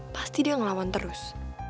pasti dia ngelawan terus